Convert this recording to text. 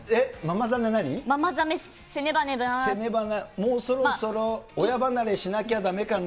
もうそろそろ親離れしなきゃ、だめかな。